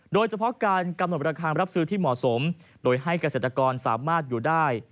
โดยเฉพาะการกำหนดราคารับซื้อที่เหมาะสมโดยให้เกษตรกรสามารถอยู่ได้